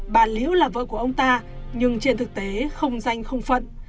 bà liễu là vợ của ông ta nhưng trên thực tế không danh không phận